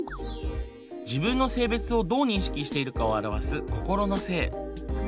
自分の性別をどう認識しているかを表す心の性。